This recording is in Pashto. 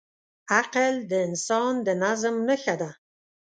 عقل د انسان د نظم نښه ده.